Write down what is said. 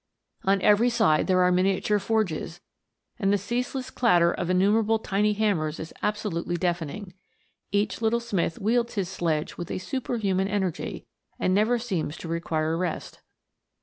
On every side there are miniature forges, and the ceaseless clatter of innumerable tiny hammers is absolutely deafening. Each little smith wields his sledge with a super human energy, and never seems to require rest.